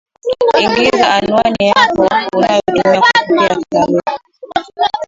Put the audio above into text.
ingiza anwani yako unayotumia kupokea taarifa